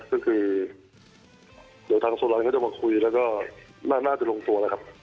ก็คือเดี๋ยวทางโซลันก็จะมาคุยแล้วก็น่าจะลงตัวแล้วครับ